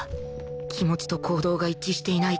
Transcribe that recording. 気持ちと行動が一致していない